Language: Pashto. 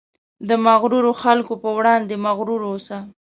د مغرورو خلکو په وړاندې مغرور اوسه.